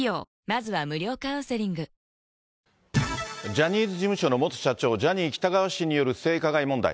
ジャニーズ事務所の元社長、ジャニー喜多川氏による性加害問題。